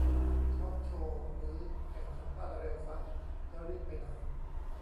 ทอล์กโชว์ หรือแข่งสัมภาษณ์เร็วฟะ ? จะรีบไปไหน